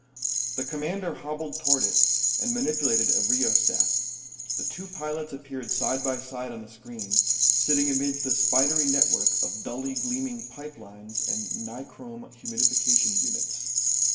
The Commander hobbled toward it, and manipulated a rheostat. The two pilots appeared side by side on the screen, sitting amidst a spidery network of dully gleaming pipe lines and nichrome humidification units.